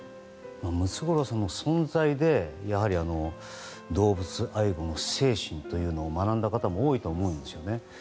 ムツゴロウさんの存在で動物愛護の精神というのを学んだ方も多いと思うんですよね。